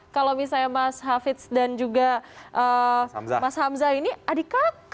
kalau misalnya mas hafiz dan juga mas hamzah ini adik kakak